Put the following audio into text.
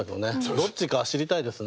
どっちか知りたいですね。